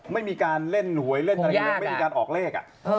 ไม่มีการเล่นหวยเล่นอะไรกันเลยไม่มีการออกเลข